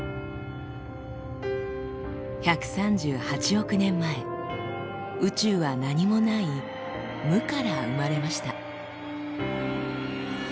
１３８億年前宇宙は何もない「無」から生まれました。